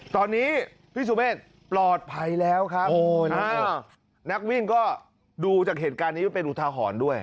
ตอนนี้พี่สุเมฆปลอดภัยแล้วครับนักวิ่งก็ดูจากเหตุการณ์นี้ไว้เป็นอุทาหรณ์ด้วย